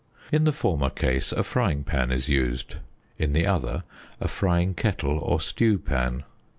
In the former case a frying pan is used, in the other a frying kettle or stewpan.